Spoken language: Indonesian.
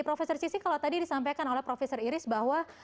profesor cissy kalau tadi disampaikan oleh profesor iris bahwa